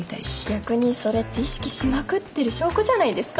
逆にそれって意識しまくってる証拠じゃないですか？